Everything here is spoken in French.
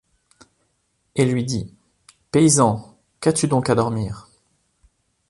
Et lui dit : paysan, qu'as-tu donc à dormir ?